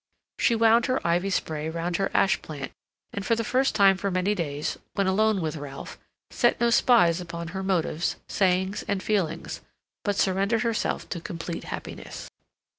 She wound her ivy spray round her ash plant, and for the first time for many days, when alone with Ralph, set no spies upon her motives, sayings, and feelings, but surrendered herself to complete happiness.